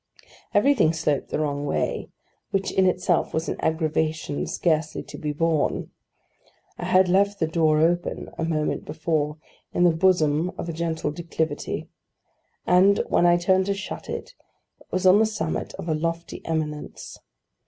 Everything sloped the wrong way: which in itself was an aggravation scarcely to be borne. I had left the door open, a moment before, in the bosom of a gentle declivity, and, when I turned to shut it, it was on the summit of a lofty eminence.